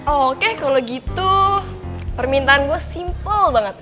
oke kalau gitu permintaan gue simple banget